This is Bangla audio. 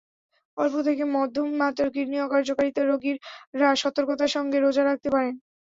অল্প থেকে মধ্যম মাত্রার কিডনি অকার্যকারিতার রোগীরা সতর্কতার সঙ্গে রোজা রাখতে পারেন।